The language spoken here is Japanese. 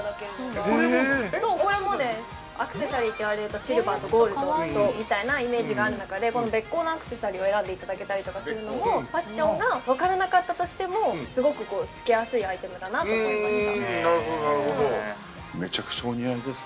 ◆アクセサリーって言われるとシルバーとゴールドみたいなイメージがある中でこのべっ甲のアクセサリーを選んでいただけたりとかするのもファッションが分からなかったとしても、すごくつけやすいアイテムだなと思いました。